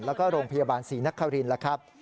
แล้วก็โรงพยาบาลศรีนครินทร์แล้วครับ